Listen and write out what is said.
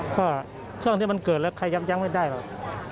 เพราะว่าช่วงที่มันเกิดแล้วขยับย้ำไม่ได้หรอก